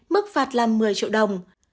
mức phạt là một mươi triệu đồng